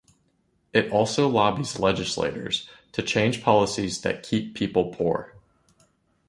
It also lobbies legislators to change policies that keep people poor.